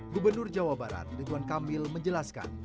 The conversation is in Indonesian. gubernur jawa barat ridwan kamil menjelaskan